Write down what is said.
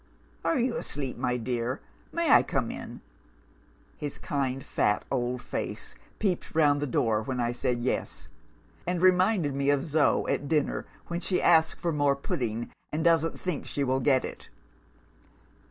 "'Are you asleep, my dear? May I come in?' His kind, fat old face peeped round the door when I said Yes and reminded me of Zo, at dinner, when she asks for more pudding, and doesn't think she will get it.